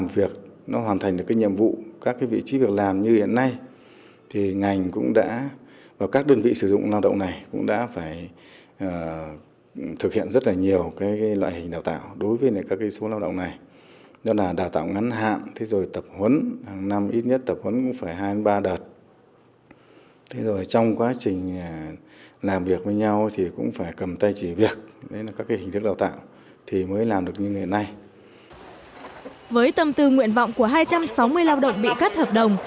với tâm tư nguyện vọng của hai trăm sáu mươi lao động bị cắt hợp đồng